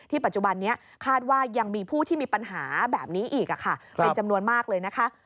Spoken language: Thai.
ปัจจุบันนี้คาดว่ายังมีผู้ที่มีปัญหาแบบนี้อีกเป็นจำนวนมากเลยนะคะ